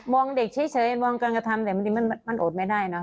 มองเด็กเฉยมองการกระทำแต่มันอดไม่ได้นะ